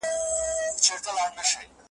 عدالت چي وي په لاس د شرمښانو `